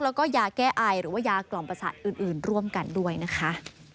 แล้วก็ยาแก้ไอหรือว่ายากล่อมประสาทอื่นร่วมกันด้วยนะคะ